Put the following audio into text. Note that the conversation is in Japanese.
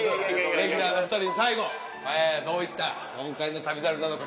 レギュラーのお２人に最後どういった今回の『旅猿』なのか